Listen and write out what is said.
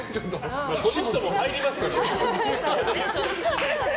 この人も入りますからね。